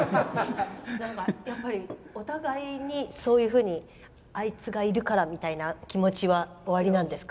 やっぱり、お互いにそういうふうにあいつがいるからみたいな気持ちはおありなんですか？